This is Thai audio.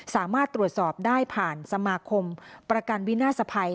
สามารถตรวจสอบได้ผ่านสมาคมประกันวินาศภัย